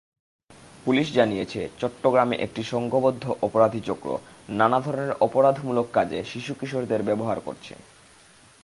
Police জানিয়েছে, চট্টগ্রামে একটি সংঘবদ্ধ অপরাধীচক্র নানা ধরনের অপরাধমূলক কাজে শিশু-কিশোরদের ব্যবহার করছে।